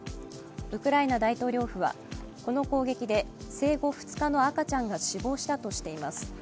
ウクライナ大統領府はこの攻撃で生後２日の赤ちゃんが死亡したとしています。